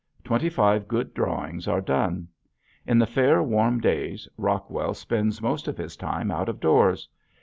Twenty five good drawings are done. On the fair, warm days Rockwell spends most of his time out of doors.